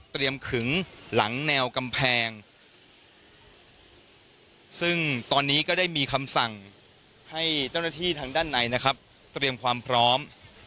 ขึงหลังแนวกำแพงซึ่งตอนนี้ก็ได้มีคำสั่งให้เจ้าหน้าที่ทางด้านในนะครับเตรียมความพร้อม